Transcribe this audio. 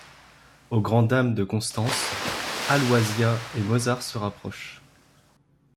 Au grand dam de Constance, Aloysia et Mozart se rapprochent.